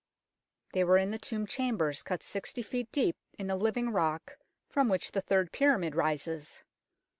They were in the tomb 146 UNKNOWN LONDON chambers cut sixty feet deep in the living rock from which the Third Pyramid rises.